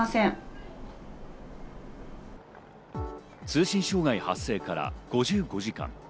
通信障害発生から５５時間。